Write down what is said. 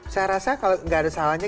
saya rasa kalau nggak ada salahnya